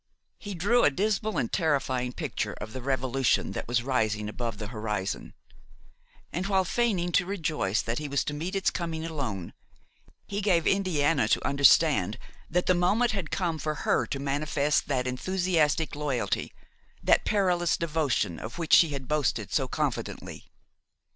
He drew a dismal and terrifying picture of the revolution that was rising above the horizon, and, while feigning to rejoice that he was to meet its coming alone, he gave Indiana to understand that the moment had come for her to manifest that enthusiastic loyalty, that perilous devotion of which she had boasted so confidently.